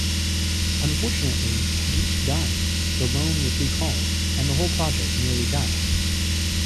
Unfortunately, Geach died, the loan was recalled and the whole project nearly died.